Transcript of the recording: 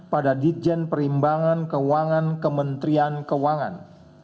pada ditjen perimbangan keuangan kementerian keuangan